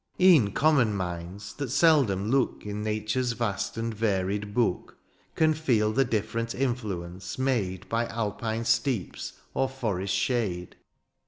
E'en common minds, that seldom look In nature's vast and varied book. Can feel the different influence made By alpine steeps, or forest shade.